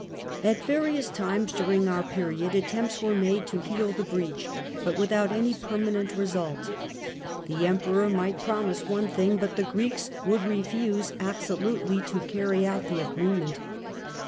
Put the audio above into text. At various times during our period attempts were made to heal the breach, but without any permanent result ; the Emperor might promise one thing, but the Greeks would refuse absolutely to carry out the agreement.